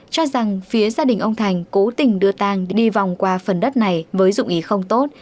cho rằng phía gia đình ông thành cố tình đưa tàng đi vòng qua phần đất này với dụng ý không tốt